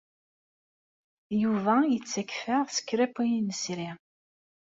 Yuba yettakf-aɣ s kra n wayen nesri.